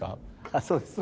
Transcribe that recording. そうです。